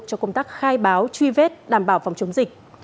cho công tác khai báo truy vết đảm bảo phòng chống dịch